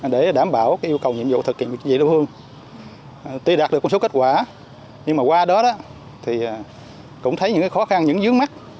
để đảm bảo yêu cầu nhiệm vụ thực hiện việc như vậy đúng hơn tuy đạt được một số kết quả nhưng mà qua đó thì cũng thấy những khó khăn những dướng mắt